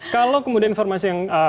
kalau kemudian informasi yang